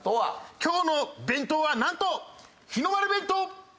「今日の弁当はなんと日の丸弁当！」。